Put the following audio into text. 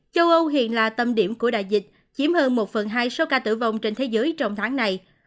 châu âu hiện là tâm điểm của đại dịch chiếm hơn một phần hai số ca tử vong trên thế giới trong tháng này